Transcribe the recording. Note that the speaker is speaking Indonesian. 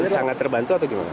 sangat terbantu atau gimana